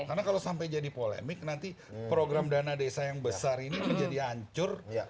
karena kalau sampai jadi polemik nanti program dana desa yang besar ini menjadi hancur